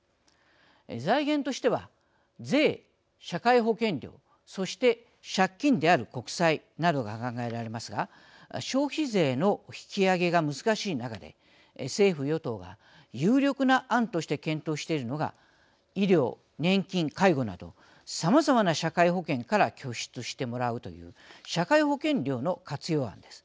財源としては税、社会保険料そして、借金である国債などが考えられますが消費税の引き上げが難しい中で政府・与党が有力な案として検討しているのが医療、年金、介護などさまざまな社会保険から拠出してもらうという社会保険料の活用案です。